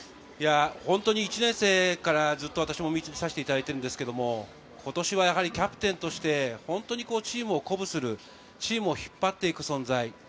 本当に１年生から私も見させていただいているんですが、今年はキャプテンとしてホントにチームを鼓舞する、チームを引っ張っていく存在。